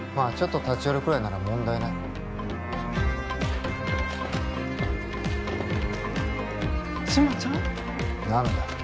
あちょっと立ち寄るくらいなら問題ない志摩ちゃん何だ